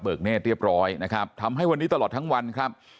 เนธเรียบร้อยนะครับทำให้วันนี้ตลอดทั้งวันครับ